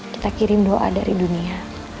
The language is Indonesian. kita kirim doa dari dunia